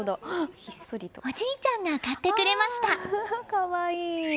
おじいちゃんが買ってくれました。